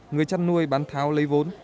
người chăn nuôi bán tháo lấy vốn